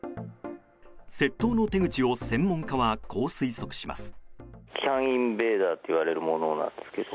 窃盗の手口を専門家は、こう推測します。